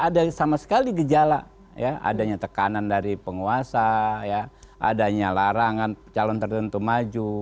ada sama sekali gejala ya adanya tekanan dari penguasa adanya larangan calon tertentu maju